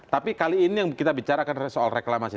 tapi kali ini yang kita bicarakan soal reklamasi